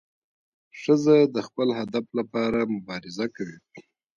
ښځه د خپل هدف لپاره مبارزه کوي.